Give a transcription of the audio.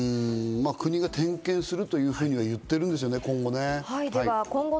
国が点検するというふうには言ってるんですよね、今後。